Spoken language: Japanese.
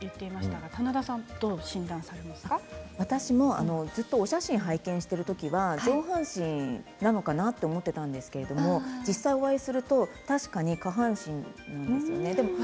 私もお写真を拝見している時は上半身なのかなと思っていたんですが実際にお会いすると確かに下半身ですよね。